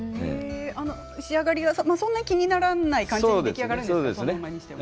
仕上がりがそんなに気にならない感じにできるんですね。